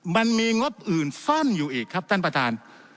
งบอื่นซ่อนอยู่อีกครับท่านประธาน